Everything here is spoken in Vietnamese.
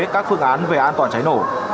các phương án về an toàn cháy nổ